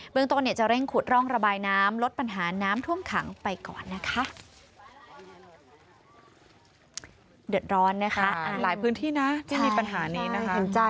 เมืองต้นจะเร่งขุดร่องระบายน้ำลดปัญหาน้ำท่วมขังไปก่อนนะคะ